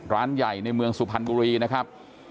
ร้านใหญ่ในเมืองสุพรรณบุรีนะครับ